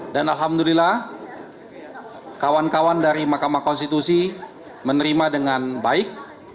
dan alhamdulillah kawan kawan dari makamah konstitusi menerima dengan baik